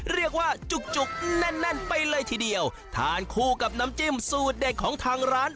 จุกจุกแน่นแน่นไปเลยทีเดียวทานคู่กับน้ำจิ้มสูตรเด็ดของทางร้าน